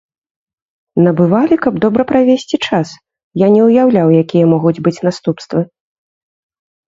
Набывалі, каб добра правесці час, я не ўяўляў, якія могуць быць наступствы.